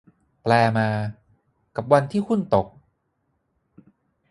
แปลมา กับวันที่หุ้นตก